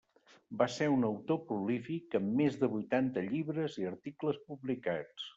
Va ser un autor prolífic, amb més de vuitanta llibres i articles publicats.